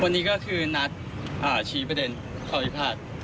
วันนี้ก็คือนัดชี้ประเด็นขวาวิภาษณ์